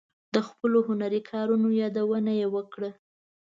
د خپلو هنري کارونو یادونه یې وکړه.